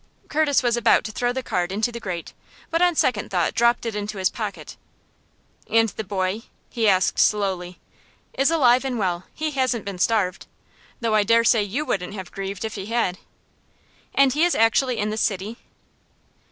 Curtis was about to throw the card into the grate, but on second thought dropped it into his pocket. "And the boy?" he asked, slowly. "Is alive and well. He hasn't been starved. Though I dare say you wouldn't have grieved if he had." "And he is actually in this city?"